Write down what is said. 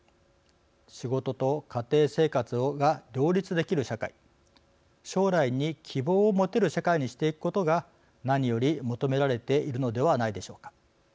仕事と家庭生活が両立できる社会将来に希望をもてる社会にしていくことが何より求められているのではないでしょうか。